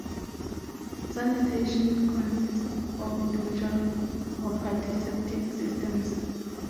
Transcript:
Sanitation consists of individual property septic systems.